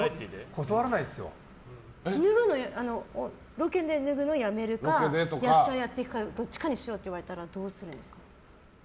ロケで脱ぐのをやめるか役者をやっていくかどっちかにしろって言われたらどうするんですか？